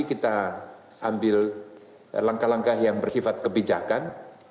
kita ambil langkah langkah yang bersifat kebijakan